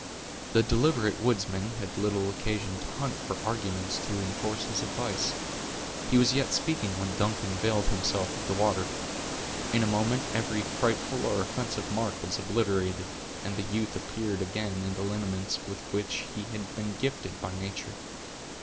The deliberate woodsman had little occasion to hunt for arguments to enforce his advice. He was yet speaking when Duncan availed himself of the water. In a moment every frightful or offensive mark was obliterated, and the youth appeared again in the lineaments with which he had been gifted by nature.